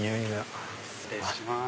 失礼します。